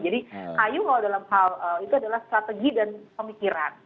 jadi kayu kalau dalam hal itu adalah strategi dan pemikiran